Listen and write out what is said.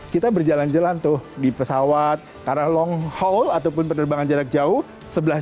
kita berjalan jalan tuh di pesawat karena long hall ataupun penerbangan jarak jauh